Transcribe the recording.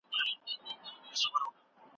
هغه د یوې پټې دعا په څېر زما په څنګ کې وه.